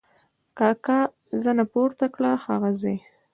کاکا زنه پورته کړه: هغه ځای!